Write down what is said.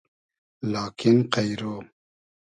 لاکین قݷرۉ